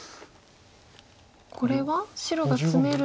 これは白がツメると。